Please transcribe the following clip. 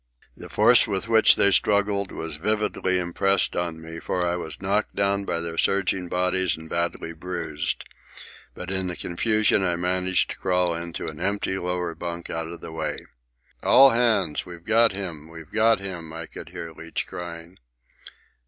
The force with which they struggled was vividly impressed on me; for I was knocked down by their surging bodies and badly bruised. But in the confusion I managed to crawl into an empty lower bunk out of the way. "All hands! We've got him! We've got him!" I could hear Leach crying.